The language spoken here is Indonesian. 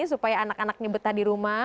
supaya anak anaknya betah di rumah